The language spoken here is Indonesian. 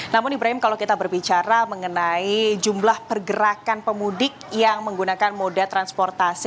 namun ibrahim kalau kita berbicara mengenai jumlah pergerakan pemudik yang menggunakan moda transportasi